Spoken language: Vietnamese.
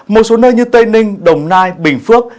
một số nơi như tây ninh đồng nai bình phước